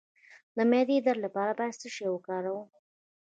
د معدې درد لپاره باید څه شی وکاروم؟